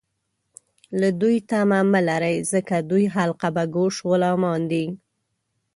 له دوی تمه مه لرئ ، ځکه دوی حلقه باګوش غلامان دي